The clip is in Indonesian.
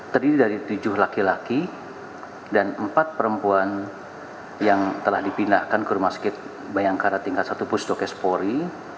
terdiri dari tujuh laki laki dan empat perempuan yang telah dipindahkan ke rumah sakit bayangkara tingkat satu pusdokespori